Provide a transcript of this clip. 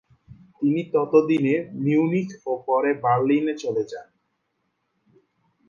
তিনি ততদিনে মিউনিখ ও পরে বার্লিনে চলে যান।